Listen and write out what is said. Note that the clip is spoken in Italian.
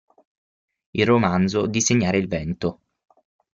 Il romanzo "Disegnare il vento.